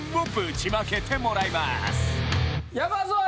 山添！